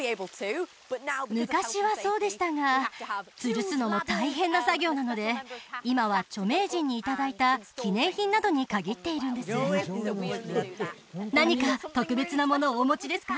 昔はそうでしたがつるすのも大変な作業なので今は著名人にいただいた記念品などに限っているんです何か特別なものをお持ちですか？